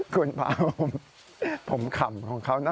คุณพาผมขำของเขานะ